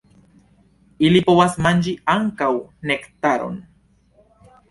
Ili povas manĝi ankaŭ nektaron.